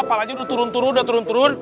apalagi udah turun turun udah turun turun